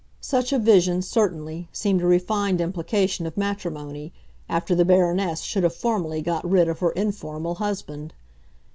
Such a vision, certainly, seemed a refined implication of matrimony, after the Baroness should have formally got rid of her informal husband.